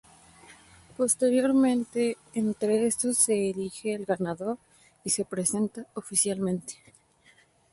Posteriormente entre estos se elige el ganador y se presenta oficialmente.